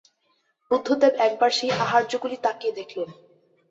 বুদ্ধদেব একবার সেই আহার্যগুলি তাকিয়ে দেখলেন।